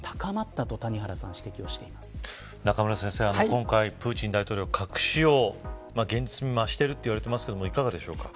今回、プーチン大統領、核使用現実味を増していると言われてますがいかがでしょうか。